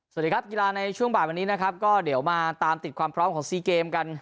สวัสดีครับกีฬาในช่วงบ่ายวันนี้นะครับก็เดี๋ยวมาตามติดความพร้อมของซีเกมกัน